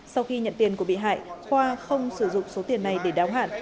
sau khi nhận tiền của bị hại khoa không sử dụng số tiền này để đáo hạn